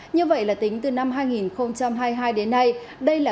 như vậy là tính từ năm hai nghìn hai mươi hai đến nay đây là ca bệnh đậu mùa khỉ